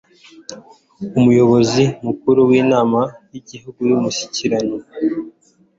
umuyobozi mukuru w'inama yigihugu yumushyikirano